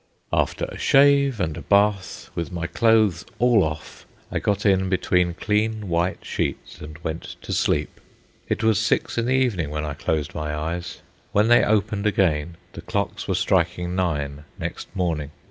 After a shave and a bath, with my clothes all off, I got in between clean white sheets and went to sleep. It was six in the evening when I closed my eyes. When they opened again, the clocks were striking nine next morning.